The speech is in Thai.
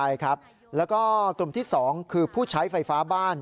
ใช่ครับแล้วก็กลุ่มที่๒คือผู้ใช้ไฟฟ้าบ้าน